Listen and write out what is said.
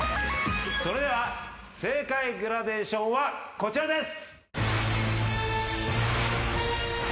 それでは正解グラデーションはこちらです。